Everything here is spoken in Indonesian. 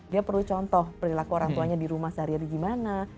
dia perlu contoh perilaku orang tuanya di rumah sehari hari gimana